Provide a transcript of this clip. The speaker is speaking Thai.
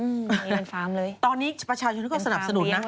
เรือนฟาร์มเลยตอนนี้ประชาชนก็สนับสนุนนะ